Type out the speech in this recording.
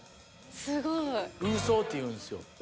すごいウーソーっていうんですよ